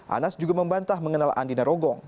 anas juga membantah mengenal andina rogong